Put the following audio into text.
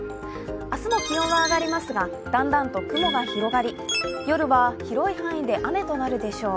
明日も気温は上がりますが、だんだんと雲が広がり夜は広い範囲で雨となるでしょう。